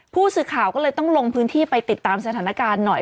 ผู้สื่อข่าวก็เลยต้องลงพื้นที่ไปติดตามสถานการณ์หน่อย